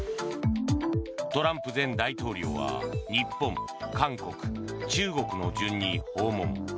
トランプ前大統領は日本、韓国、中国の順に訪問。